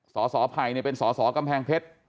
สสภัยเนี่ยเป็นสสกำแพงเพชร